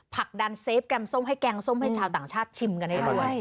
ผลักดันเซฟแกงส้มให้แกงส้มให้ชาวต่างชาติชิมกันให้ด้วย